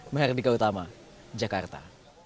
merdeka utama jakarta